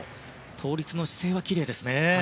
倒立の姿勢はきれいですね。